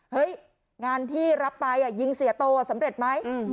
เฮ้ยงานที่รับไปยิงเสียโตสำเร็จไหม